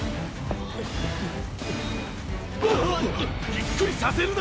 びっくりさせるなよ！